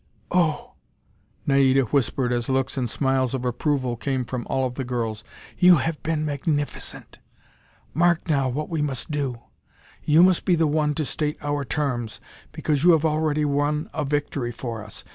"Oh," Naida whispered as looks and smiles of approval came from all of the girls, "you have been magnificent! Mark now, what we must do. You must be the one to state our terms, because you have already won a victory for us.